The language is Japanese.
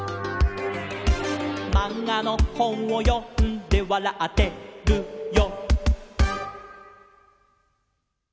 「まんがのほんをよんでわらってるよ」